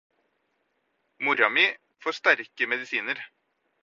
mora mi får sterke medisiner